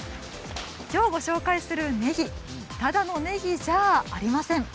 きょうご紹介する、ねぎただのねぎじゃありません。